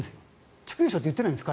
地区優勝って言ってないんです。